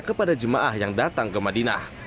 kepada jemaah yang datang ke madinah